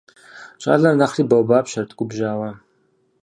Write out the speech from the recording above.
Щӏалэр нэхъри бауэбапщэрт губжьауэ.